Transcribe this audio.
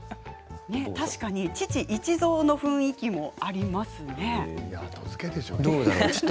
確かに父、市蔵の雰囲気もありますね。